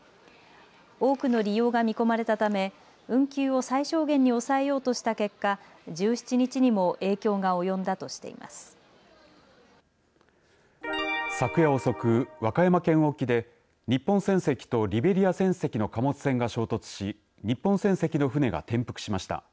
多くの利用が見込まれたため運休を最小限に抑えようとした結果１７日にも昨夜遅く、和歌山県沖で日本船籍とリベリア船籍の貨物船が衝突し日本船籍の船が転覆しました。